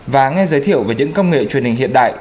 và nghe giới thiệu về những công nghệ truyền hình hiện đại